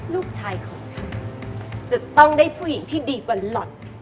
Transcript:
ลูกชายของฉันจะต้องได้ผู้หญิงที่ดีกว่าหลอด